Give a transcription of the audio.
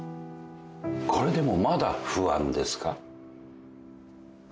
これでもまだ不安ですか？